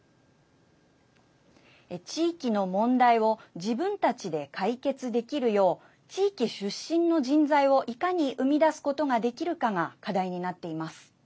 地域の問題を自分たちで解決できるよう地域出身の人材をいかに生み出すことができるかが課題になっています。